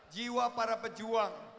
jiwa para pejuang